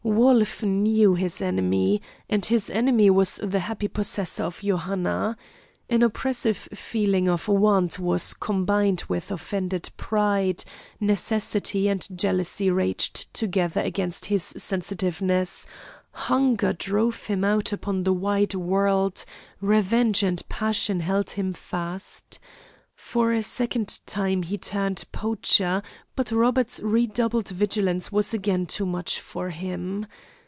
Wolf knew his enemy, and this enemy was the happy possessor of Johanna. An oppressive feeling of want was combined with offended pride, necessity and jealousy raged together against his sensitiveness, hunger drove him out upon the wide world, revenge and passion held him fast. For a second time he turned poacher, but Robert's redoubled vigilance was again too much for him.